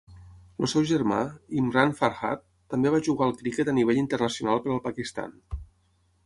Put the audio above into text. El seu germà, Imran Farhat, també va jugar al criquet a nivell internacional per al Pakistan.